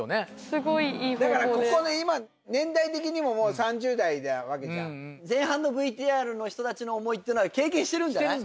すごいいい方法ですだからここの今年代的にももう３０代なわけじゃん前半のＶＴＲの人たちの思いってのは経験してるんじゃない？